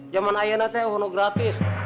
jaman ayah nanti aku mau gratis